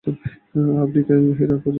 আফ্রিকায় হীরার প্রচুর খনি আছে।